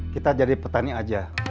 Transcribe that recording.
kita jadi petani aja